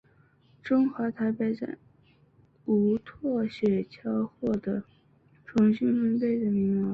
中华台北在无舵雪橇获得重新分配的名额。